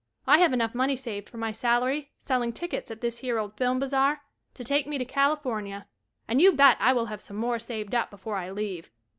I have enough money saved from my salary selling tickets at this here old film bazaar to take me to California, and you bet I will have some more saved up before I leave.